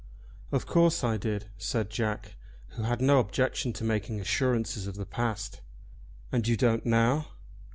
"Of course I did," said Jack, who had no objection to making assurances of the past. "And you don't now?"